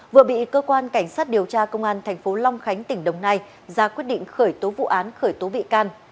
vừa bị cơ quan cảnh sát điều tra công an tp long khánh tỉnh đồng nai ra quyết định khởi tố vụ án khởi tố bị can